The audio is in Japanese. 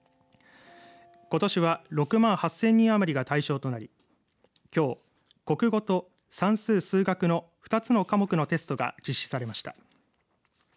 ことしは６万８０００人余りが対象となりきょう、国語と算数・数学の２つの科目のテストが実施されました。